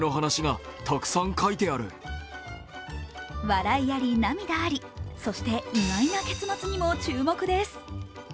笑いあり涙あり、そして意外な結末にも注目です。